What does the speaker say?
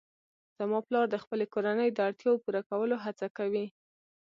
زما پلار د خپلې کورنۍ د اړتیاوو پوره کولو هڅه کوي